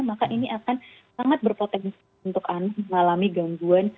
maka ini akan sangat berpotensi untuk anak mengalami gangguan